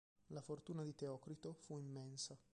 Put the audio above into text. La fortuna di Teocrito fu immensa.